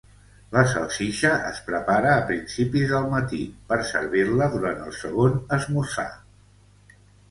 La salsitxa es prepara a principis del matí per servir-la durant el segon esmorzar.